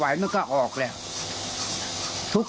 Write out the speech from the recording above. กระดิ่งเสียงเรียกว่าเด็กน้อยจุดประดิ่ง